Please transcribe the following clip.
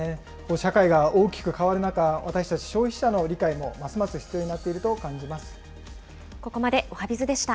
社会が大きく変わる中、私たち消費者の理解もますます必要になっていると感じます。